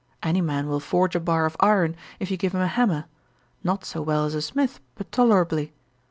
Any man will forge a bar of iron, if you give him a hammer; not so well as a smith, but tolerably.